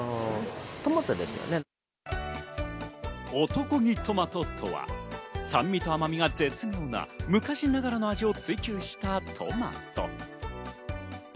男気トマトとは、酸味と甘みが絶妙な、昔ながらの味を追求したトマト。